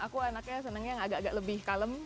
aku anaknya senangnya agak agak lebih kalem